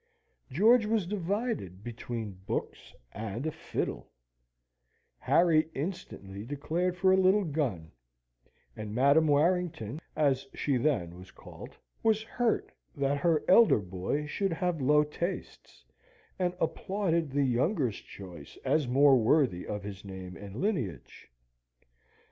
George was divided between books and a fiddle; Harry instantly declared for a little gun: and Madam Warrington (as she then was called) was hurt that her elder boy should have low tastes, and applauded the younger's choice as more worthy of his name and lineage.